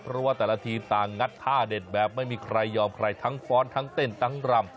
เพราะว่าแต่ละทีมต่างงัดท่าเด็ดแบบไม่มีใครยอมใครทั้งฟ้อนทั้งเต้นทั้งรำ